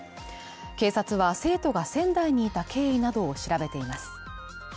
警察は生徒が仙台にいた経緯などを調べています。